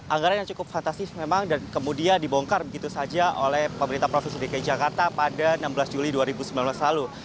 anggaran yang cukup fantastis memang dan kemudian dibongkar begitu saja oleh pemerintah provinsi dki jakarta pada enam belas juli dua ribu sembilan belas lalu